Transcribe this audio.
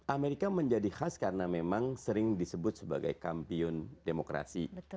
amerika menjadi khas karena memang sering disebut sebagai kampiun demokrasi